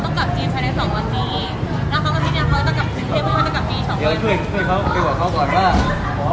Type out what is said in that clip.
ตอนที่สุดมันกลายเป็นสิ่งที่ไม่มีความคิดว่า